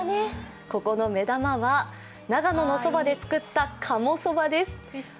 ここの目玉は、長野のそばで作ったかもそばです。